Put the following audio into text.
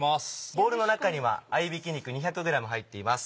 ボウルの中には合びき肉２００ｇ入っています。